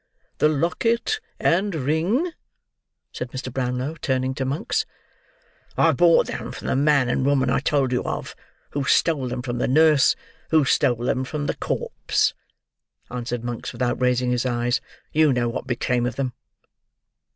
"The locket and ring?" said Mr. Brownlow, turning to Monks. "I bought them from the man and woman I told you of, who stole them from the nurse, who stole them from the corpse," answered Monks without raising his eyes. "You know what became of them."